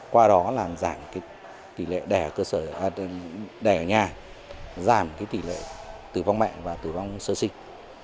qua đó là giảm tỷ lệ đẻ ở nhà giảm tỷ lệ tử vong mẹ và tử vong sơ sinh